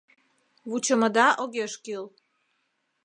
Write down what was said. Вучымыда огеш кӱл.